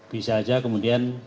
bisa saja kemudian